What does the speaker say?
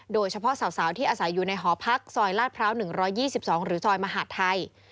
โดยเฉพาะสาวที่อาศัยอยู่ในหอพักซอยลาดพร้าว๑๒๒หรือซอยมหาดไทย